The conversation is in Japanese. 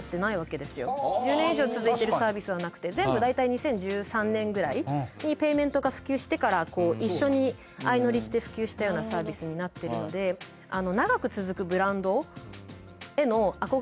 １０年以上続いてるサービスはなくて全部大体２０１３年ぐらいにペイメントが普及してから一緒に相乗りして普及したようなサービスになってるので尾原さん